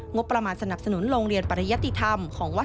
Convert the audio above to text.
งบประมาณสนับสนุนโรงเรียนประยะฏิธรรม